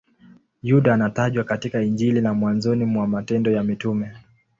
Yuda anatajwa katika Injili na mwanzoni mwa Matendo ya Mitume.